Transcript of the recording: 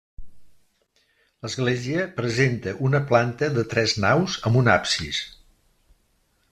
L'església presenta una planta de tres naus amb un absis.